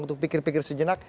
untuk pikir pikir sejenak